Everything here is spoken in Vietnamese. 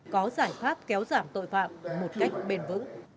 có giải pháp kéo giảm tội phạm một cách bền vững